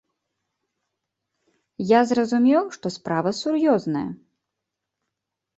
Я зразумеў, што справа сур'ёзная.